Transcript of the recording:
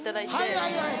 はいはいはい。